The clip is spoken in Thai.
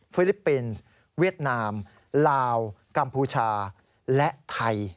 ลิปปินส์เวียดนามลาวกัมพูชาและไทย